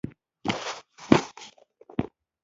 چرګان د خپل ساحې حدود پېژني.